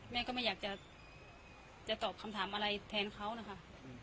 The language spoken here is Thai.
แม่ก็ไม่อยากจะตอบคำถามอะไรแทนเขานะคะ